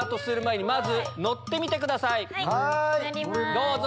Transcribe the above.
どうぞ。